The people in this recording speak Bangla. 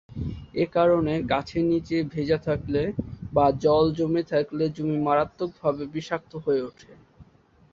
এ কারণে গাছের নিচে ভেজা থাকলে বা জল জমে থাকলে জমি মারাত্মকভাবে বিষাক্ত হয়ে ওঠে।